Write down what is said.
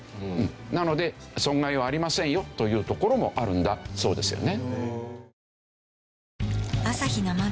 なので損害はありませんよというところもあるんだそうですよね。